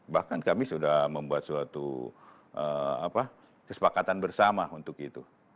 bahkan kami sudah membuat suatu kesepakatan bersama untuk itu